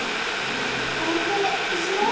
これっていじめ？